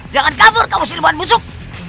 jangan kabur kamu silman musuh